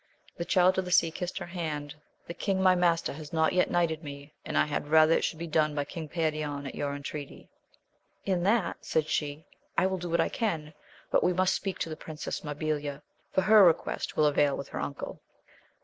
The Child of the Sea kissed her hand, — the king my master has not yet knighted me, and I had rather it should be done by King Perion at your entreaty. In that, said she, I will do what I can, but we must speak to the Princess Mabilia, for her request will avail with her uncle.